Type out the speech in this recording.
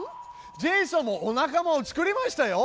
ジェイソンもお仲間を作りましたよ。